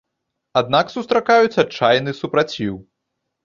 Аднак сустракаюць адчайны супраціў.